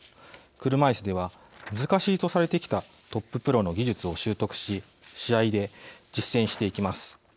車いすでは難しいとされてきたトッププロの技術を習得し試合で実践していきます。